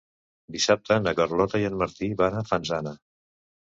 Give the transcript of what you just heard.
Dissabte na Carlota i en Martí van a Fanzara.